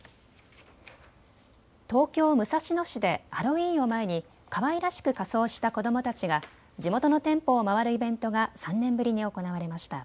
東京武蔵野市でハロウィーンを前にかわいらしく仮装した子どもたちが地元の店舗を回るイベントが３年ぶりに行われました。